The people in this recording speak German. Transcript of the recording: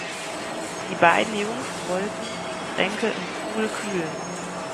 Die beiden Jungs wollten die Getränke im Pool kühlen.